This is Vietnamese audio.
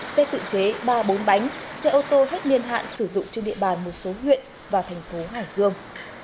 xe tự chế ba bốn bánh xe ô tô hết niên hạn sử dụng trên địa bàn một số huyện và thành phố hải dương